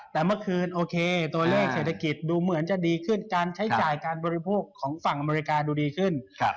แต่เมื่อคืนโอเคตัวเลขเศรษฐกิจดูเหมือนจะดีขึ้นการใช้จ่ายการบริโภคของฝั่งอเมริกาดูดีขึ้น